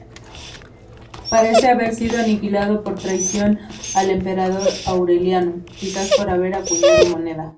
Parece haber sido aniquilado por traición al emperador Aureliano, quizás por haber acuñado moneda.